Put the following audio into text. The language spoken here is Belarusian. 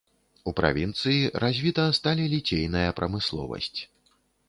У правінцыі развіта сталеліцейная прамысловасць.